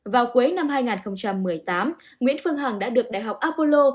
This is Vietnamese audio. vào cuối năm hai nghìn một mươi tám nguyễn phương hằng đã được đại học apollo